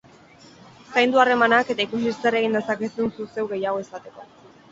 Zaindu harremanak eta ikusi zer egin dezakezun zu zeu gehiago izateko.